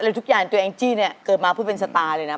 อะไรทุกอย่างในตัวแอนจิเนี่ยเกิดมาเพื่อเป็นสตาร์เลยนะ